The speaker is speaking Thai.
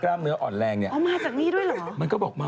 อ๋อมาจากนี่ด้วยเหรอมันก็บอกมา